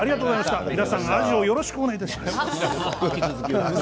皆さんアジをよろしくお願いします。